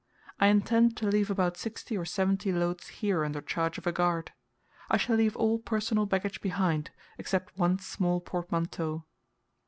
I intend to leave about sixty or seventy loads here under charge of a guard. I shall leave all personal baggage behind, except one small portmanteau.